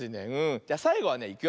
じゃさいごはねいくよ。